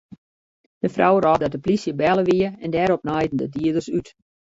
De frou rôp dat de plysje belle wie en dêrop naaiden de dieders út.